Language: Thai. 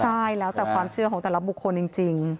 ใช่แล้วแต่ความเชื่อของแต่ละบุคคลจริง